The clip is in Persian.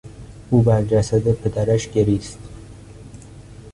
او بر جسد پدرش گریست.